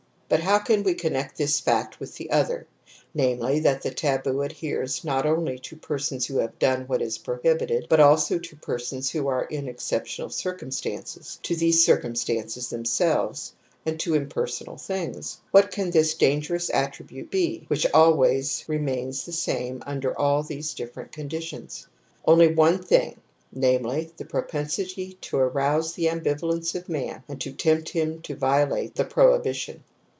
But how can we connect this fact with the other, namely that the taboo adheres not only to persons who have done what is prohibited but also to persons who are in exceptional circumstances, to these i» See Chapter IV ; Totemiemf etc. THE AMBIVALENCE OF EMOTIONS 55 circumstances themselves, and to impersonal things ? What can this dangerous attribute be which always remains the same under all these different conditions ? Only one thing, namely, the propensity to arouse the ambivalence of man and to tempt him to violate the prohibition.